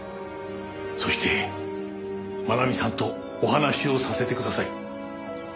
そして愛美さんとお話をさせてください。